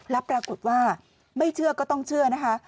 แล้วปรากฏว่าไม่เชื่อก็ต้องเชื่อนะคะ